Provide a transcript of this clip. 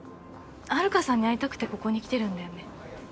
遥さんに会いたくてここに来てるんだよね？